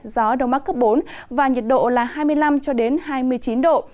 gió đông mắc cấp bốn và nhiệt độ là hai mươi năm hai mươi chín độ